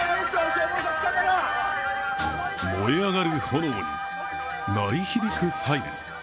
燃え上がる炎に、鳴り響くサイレン。